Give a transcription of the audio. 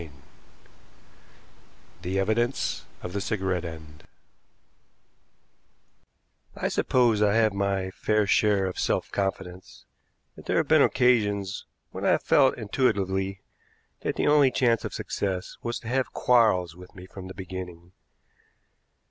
CHAPTER V THE EVIDENCE OF THE CIGARETTE END I suppose I have my fair share of self confidence, but there have been occasions when I have felt intuitively that the only chance of success was to have Quarles with me from the beginning.